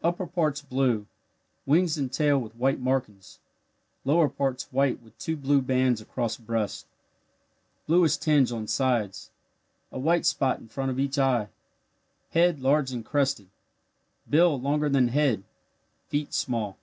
Upper parts blue wings and tail with white markings lower parts white with two blue bands across breast bluish tinge on sides a white spot in front of each eye. Head large and crested bill longer than head feet small.